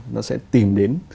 nó sẽ tìm đến